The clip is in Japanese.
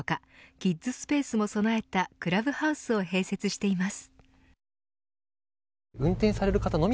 キッズスペースも備えたクラブハウスを併設しています。